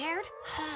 はあ。